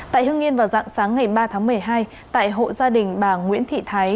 tại hương yên vào dạng sáng ngày ba tháng một mươi hai tại hộ gia đình bà nguyễn thị thái